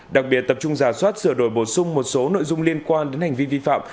đặc biệt tập trung giả soát sửa đổi bổ sung một số nội dung liên quan đến hành vi vi phạm